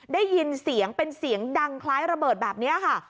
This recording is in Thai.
ได้ยินเสียงเป็นเสียงดังคล้ายระเบิดแบบนี้ค่ะ